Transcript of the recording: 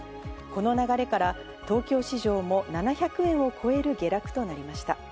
この流れから東京市場も７００円を超える下落となりました。